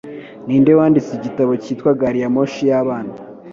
Ninde Wanditse igitabo cyitwa Gariyamoshi y’ Abana